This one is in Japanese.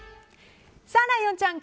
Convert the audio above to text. ライオンちゃん